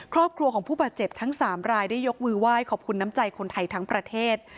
ครอบครัวของผู้บาดเจ็บทั้ง๓รายได้ยกมือไหว้ขอบคุณน้ำใจคนไทยทั้งประเทศ